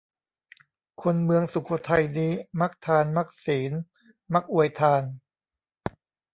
คนเมืองสุโขทัยนี้ มักทาน มักศีล มักอวยทาน